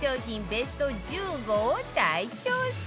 ベスト１５を大調査